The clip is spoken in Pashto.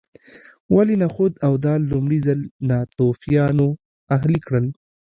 ولې نخود او دال لومړي ځل ناتوفیانو اهلي کړل